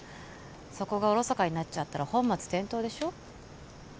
そこがおろそかになっちゃったら本末転倒でしょ？